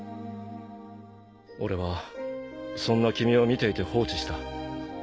俺はそんな君を見ていて放置した。